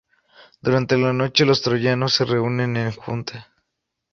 Durante la noche, los troyanos se reúnen en junta.